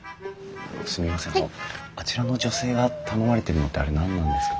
あちらの女性が頼まれてるのってあれ何なんですか？